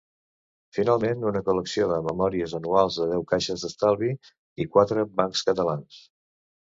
Finalment, una col·lecció de memòries anuals de deu caixes d'estalvi i quatre bancs catalans.